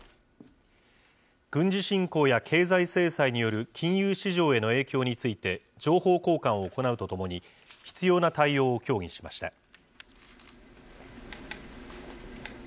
軍事侵攻や経済制裁による金融市場への影響について、情報交換を行うとともに、必要な対応を協議しました。